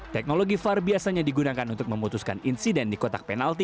teknologi var biasanya digunakan untuk memutuskan insiden di kotak penalti